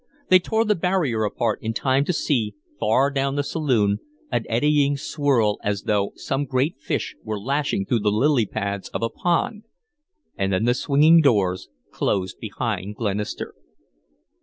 They tore the barrier apart in time to see, far down the saloon, an eddying swirl as though some great fish were lashing through the lily pads of a pond, and then the swinging doors closed behind Glenister.